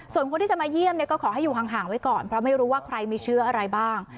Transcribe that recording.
ส่วนคนที่จะมาเยี่ยมก็ขอให้อยู่ห่างไว้ก่อนเพราะไม่รู้ว่าใครมีเชื้ออะไรบ้าง